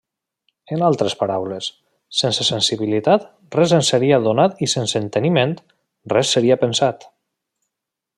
En altres paraules, sense sensibilitat res ens seria donat i sense enteniment, res seria pensat.